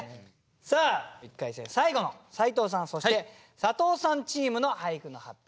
さあ一回戦最後の斎藤さんそして佐藤さんチームの俳句の発表